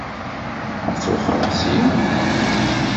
Ad twexxṛeḍ syin?